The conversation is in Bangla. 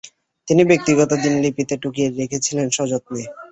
তিনি ব্যক্তিগত দিনলিপিতে টুকে রেখেছিলেন সযত্নে।